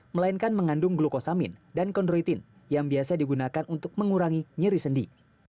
melainkan mengandung glukosamin dan kondroitin yang biasa digunakan untuk mengurangi nyeri sendi